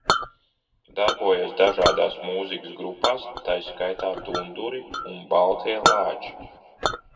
"Darbojies dažādās mūzikas grupās, tai skaitā "Dunduri" un "Baltie lāči"."